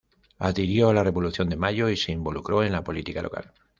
Adhirió a la Revolución de Mayo y se involucró en la política local.